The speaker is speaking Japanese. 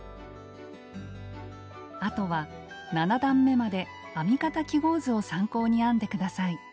あとは７段めまで編み方記号図を参考に編んで下さい。